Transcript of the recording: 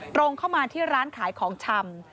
ตรงเข้ามาที่ร้านขายของชำ